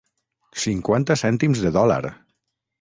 Cinquanta cèntims de dòlar!